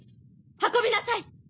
運びなさい！